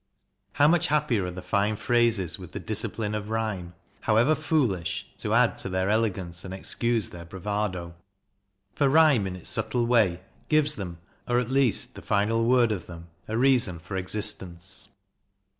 How much happier are the fine phrases with the discipline of rhyme, however foolish, to add to their elegance and excuse their bravado! For rhyme, in its JOHN DAVIDSON 211 subtle way, gives them, or at least the final word of them, a reason for existence.